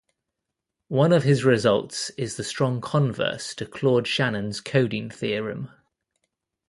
One of his results is the strong converse to Claude Shannon's coding theorem.